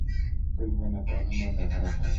খুলবে না তাহলে মজা খারাপ হবে।